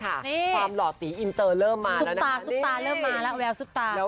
ความหล่อตีอินเตอร์แล้วมาแล้วนะค่ะ